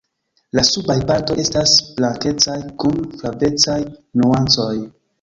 La subaj partoj estas blankecaj kun flavecaj nuancoj.